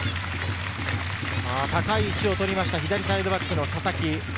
高い位置を取りました、左サイドバックの佐々木。